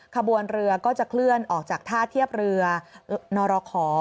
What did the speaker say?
ขบวนเรือก็จะเคลื่อนออกจากท่าเทียบเรือนรขอ